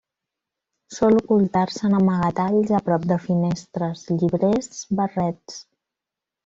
Sol ocultar-se en amagatalls a prop de finestres, llibrers, barrets.